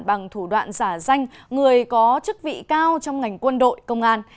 bằng thủ đoạn giả danh người có chức vị cao trong ngành quân đội công an